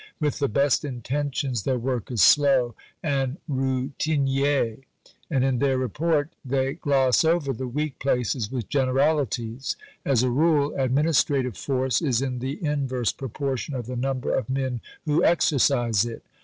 With the best intentions, their work is slow and routinier, and in their report they gloss over the weak places with generalities.... As a rule, administrative force is in the inverse proportion of the number of men who exercise it.